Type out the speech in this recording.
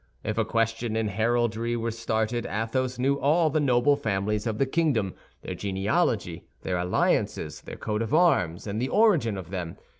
If a question in heraldry were started, Athos knew all the noble families of the kingdom, their genealogy, their alliances, their coats of arms, and the origin of them.